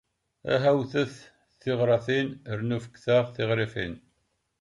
Aha wtet tiɣratin, rnu fektaɣ tiɣrifin"